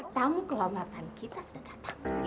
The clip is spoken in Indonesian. tamu kehormatan kita sudah datang